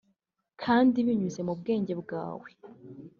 kandi binyuze mu bwenge bwawe